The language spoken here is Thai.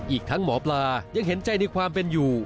อีกทั้งหมอปลายังเห็นใจในความเป็นอยู่